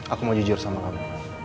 aku mau jujur sama kami